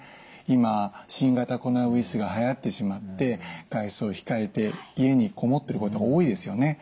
今新型コロナウイルスがはやってしまって外出を控えて家にこもってることが多いですよね。